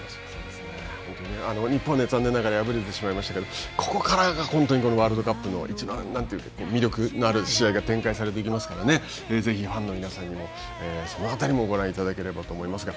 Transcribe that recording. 日本は残念ながら敗れてしまいましたが、ここからが、本当にワールドカップのいちばんの魅力のある試合が展開されていきますから、ぜひファンの皆さんにもそのあたりもご覧いただければと思いますが。